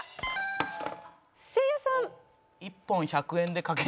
せいやさん。